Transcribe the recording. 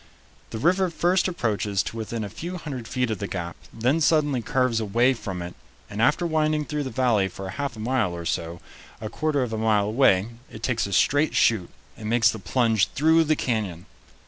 The river first approaches to within a few hundred feet of the gap, then suddenly curves away from it, and after winding through the valley for half a mile or so, a quarter of a mile away, it takes a straight shoot and makes the plunge through the canyon.